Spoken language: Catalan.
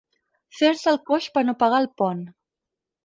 Fer-se el coix per no pagar el pont.